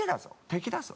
敵だぞ。